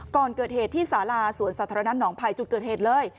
ก่อนเกิดเหตุที่สาราสวนสาธารณะหนองภัยจุดเกิดเหตุเลย